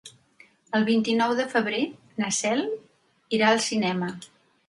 El vint-i-nou de febrer na Cel irà al cinema.